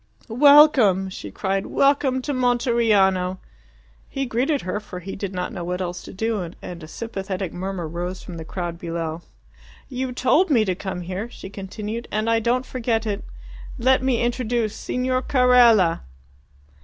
"Welcome!" she cried. "Welcome to Monteriano!" He greeted her, for he did not know what else to do, and a sympathetic murmur rose from the crowd below. "You told me to come here," she continued, "and I don't forget it. Let me introduce Signor Carella!"